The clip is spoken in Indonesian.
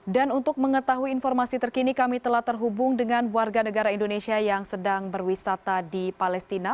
dan untuk mengetahui informasi terkini kami telah terhubung dengan warga negara indonesia yang sedang berwisata di palestina